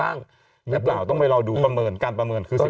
อย่างนี้เปล่าต้องไปรอดูประเมินอือ